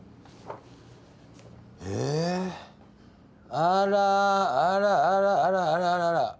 あらあらあらあらあららら。